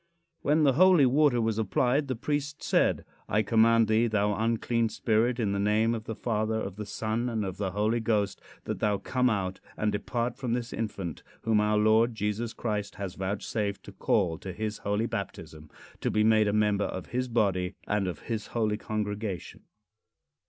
When the holy water was applied the priest said: "I command thee, thou unclean spirit, in the name of the Father, of the Son, and of the Holy Ghost, that thou come out and depart from this infant, whom our Lord Jesus Christ has vouchsafed to call to his holy baptism, to be made a member of his body, and of his holy congregation."